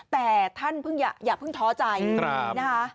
แต่ท่านอย่าเพิ่งท้อใจนะคะ